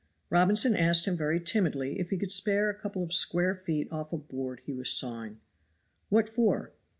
Robinson asked him very timidly if he could spare a couple of square feet off a board he was sawing. "What for?"